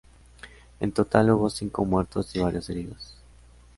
En total, hubo cinco muertos y varios heridos.